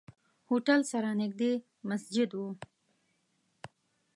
هوټل سره نزدې مسجد وو.